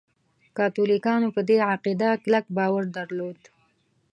کاتولیکانو په دې عقیده کلک باور درلود.